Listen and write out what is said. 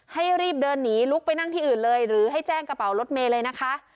ให้รีบเดินหนีลุกไปนั่งที่อื่นเลยหรือให้แจ้งกระเป๋ารถเมย์เลยนะคะ